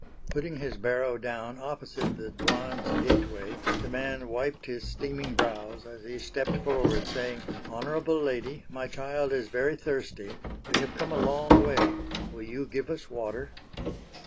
Putting his barrow down opposite the Dwan's gateway the man wiped his steaming brows as he stepped forward saying, "Honorable Lady, my child is very thirsty, we have come a long way, will you give us water?"